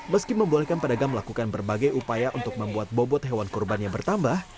meski membolehkan pedagang melakukan berbagai upaya untuk membuat bobot hewan kurban yang bertambah